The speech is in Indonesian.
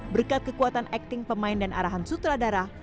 berkat kekuatan acting pemain dan arahan sutradara